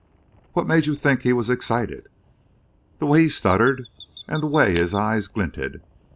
"What made you think he was excited?" "The way he stuttered, and the way his eyes glinted.